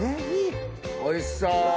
おいしそう！